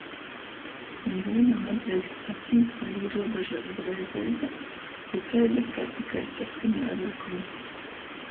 Nivīnam nadreikst atjimt voi īrūbežuot breiveibu cytaidi kai tikai saskaņā ar lykumu.